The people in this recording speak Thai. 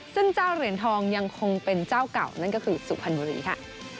ซึ่งเจ้าเหรียญทองยังคงเป็นเจ้าเก่านั่นก็คือสุพรรณบุรีค่ะ